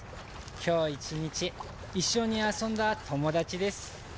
今日一日一緒に遊んだ友達です